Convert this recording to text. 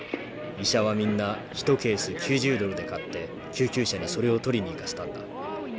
医者はみんな１ケース９０ドルで買って救急車でそれを取りに行かせたんだ。